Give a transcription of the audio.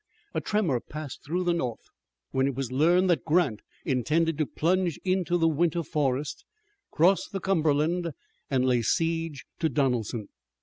A tremor passed through the North when it was learned that Grant intended to plunge into the winter forest, cross the Cumberland, and lay siege to Donelson.